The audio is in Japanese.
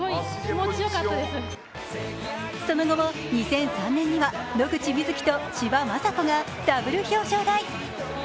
その後も２００３年には野口みずきと千葉真子がダブル表彰台。